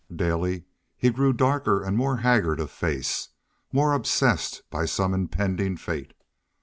Daily he grew darker and more haggard of face, more obsessed by some impending fate.